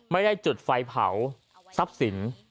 ไม่ได้จุดไฟเผาซับสิน